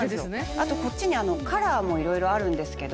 あとこっちにカラーもいろいろあるんですけど。